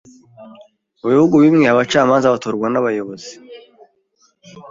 Mu bihugu bimwe, abacamanza batorwa abayobozi.